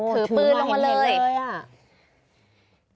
ถือปืนลงมาเลยถือปืนมาเห็นเลย